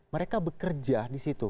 mereka bekerja di situ